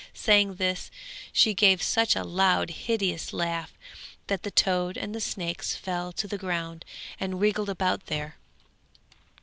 Saying this, she gave such a loud hideous laugh that the toad and the snakes fell to the ground and wriggled about there.